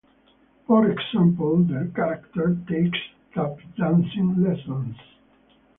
For example, the character takes tap-dancing lessons.